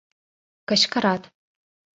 — кычкырат.